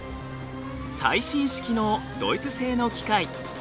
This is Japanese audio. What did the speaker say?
最新式のドイツ製の機械。